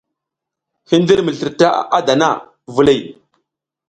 Hindir mi slirta a dana, viliy.